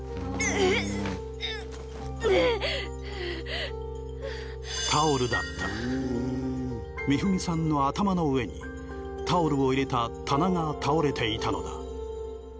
ううタオルだった美文さんの頭の上にタオルを入れた棚が倒れていたのだ